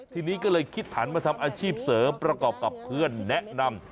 ทีนี้ก็เลยคิดหันมาทำอาชีพเสริมประกอบกับเพื่อนแนะนำ